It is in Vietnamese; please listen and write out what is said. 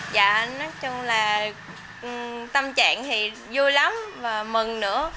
dạ nói chung là tâm trạng thì vui lắm và mừng nữa